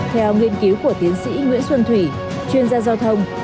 theo nghiên cứu của tiến sĩ nguyễn xuân thủy chuyên gia giao thông